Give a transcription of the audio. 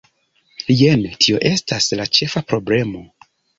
Jen tio estas la ĉefa problemo".